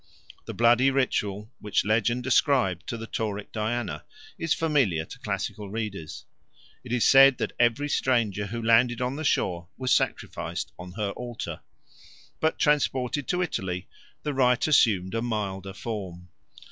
The bloody ritual which legend ascribed to the Tauric Diana is familiar to classical readers; it is said that every stranger who landed on the shore was sacrificed on her altar. But transported to Italy, the rite assumed a milder form.